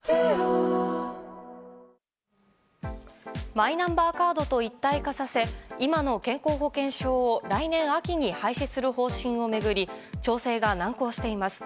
マイナンバーカードと一体化させ今の健康保険証を来年秋に廃止する方針を巡り調整が難航しています。